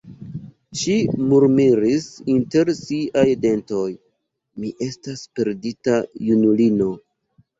Ŝi murmuris inter siaj dentoj: "Mi estas perdita junulino!"